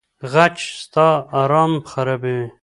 غچ ستا ارام خرابوي.